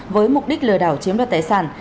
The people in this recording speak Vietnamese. với mục đích lừa đảo chiếm đoạt tài sản